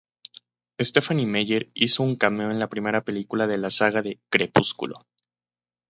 Stephenie Meyer hizo un cameo en la primera película de la saga de Crepúsculo.